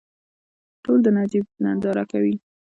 ټول د نجیب ننداره کوي.